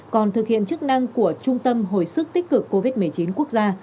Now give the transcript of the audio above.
còn thực hiện chức năng của trung tâm hồi sức tích cực covid một mươi chín quốc gia